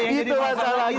itu masalahnya itu masalahnya